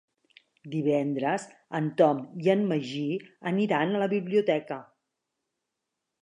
Divendres en Tom i en Magí aniran a la biblioteca.